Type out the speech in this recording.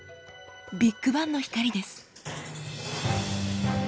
ビッグバンの光です。